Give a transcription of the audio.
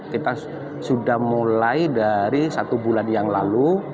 kita sudah mulai dari satu bulan yang lalu